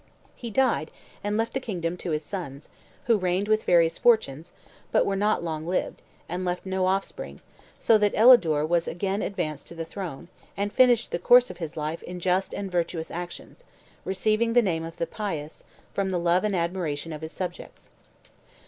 He died, and left the kingdom to his sons, who reigned with various fortunes, but were not long lived, and left no offspring, so that Elidure was again advanced to the throne, and finished the course of his life in just and virtuous actions, receiving the name of THE PIOUS, from the love and admiration of his subjects.